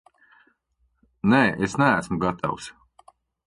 Nē, es neesmu gatavs.